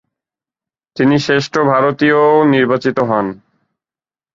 তিনি "শ্রেষ্ঠ ভারতীয়"ও নির্বাচিত হন।